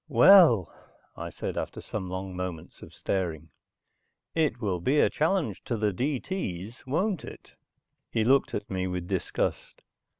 "Well," I said after some long moments of staring. "It will be a challenge to the D.T.'s, won't it?" He looked at me with disgust.